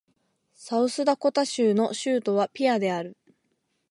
サウスダコタ州の州都はピアである